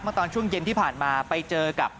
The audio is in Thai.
ตอนช่วงเย็นที่ผ่านมาไปเจอกับ